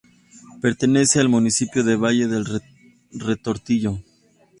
Pertenece al municipio de Valle del Retortillo.